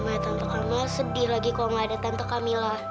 mamanya tante kamila sedih lagi kalau nggak ada tante kamila